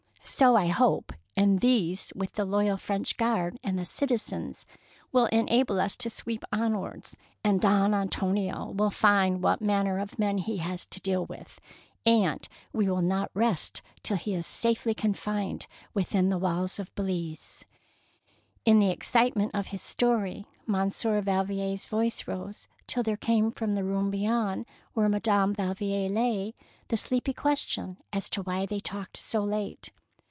''" So I hope ; and these, with the loyal French Giuard and the citizens, will enable us to sweep onwards, and Don Antonio will And what manner of 203 DEEDS OF DARING men he has to deal with, and we will not rest till he is safely confined within the walls of the Belize/' In the excitement of his story Mon sieur Valvier's voice rose till there came from the room beyond, 'where Madame Valvier lay, the sleepy ques tion as to why they talked so late.